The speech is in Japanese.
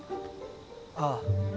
ああ。